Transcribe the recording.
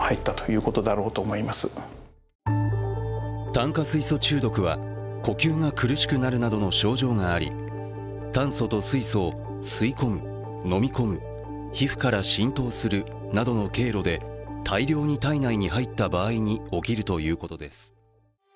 炭化水素中毒は呼吸が苦しくなるなどの症状があり炭素と水素を吸い込む、飲み込む皮膚から浸透するなどの経路で大量に体内に入った場合に起きるということです。